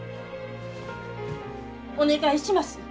お願いします！